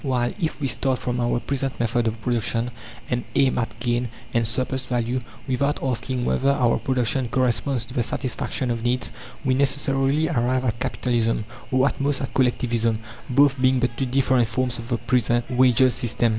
While if we start from our present method of production, and aim at gain and surplus value, without asking whether our production corresponds to the satisfaction of needs, we necessarily arrive at Capitalism, or at most at Collectivism both being but two different forms of the present wages' system.